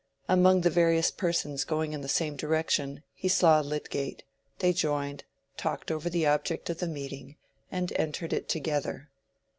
Among the various persons going in the same direction, he saw Lydgate; they joined, talked over the object of the meeting, and entered it together.